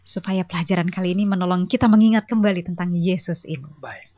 supaya pelajaran kali ini menolong kita mengingat kembali tentang yesus ini